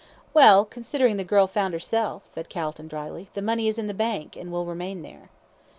"Well, considering the girl found herself," said Calton, dryly, "the money is in the bank, and will remain there."